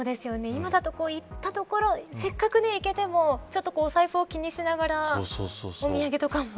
今だと、せっかく行けてもお財布を気にしながらお土産とかも。